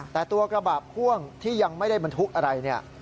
แต่ตัวกระบะพ่วงที่ยังไม่ได้บรรทุกอะไรเนี่ย